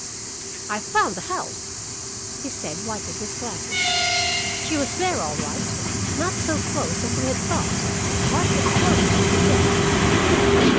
"I found the house," he said, wiping his glasses. "She was there, all right, not so close as we had thought, but as close as she could get."